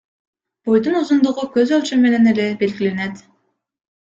Бойдун узундугу көз өлчөм менен эле белгиленет.